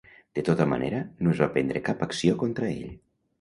De tota manera, no es va prendre cap acció contra ell.